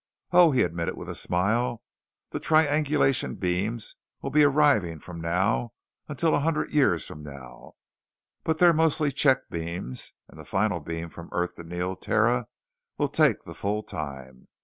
Oh," he admitted with a smile, "the triangulation beams will be arriving from now until a hundred years from now, but they're mostly check beams, and the final beam from Earth to Neoterra will take the full time.